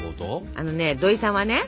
あのね土井さんはね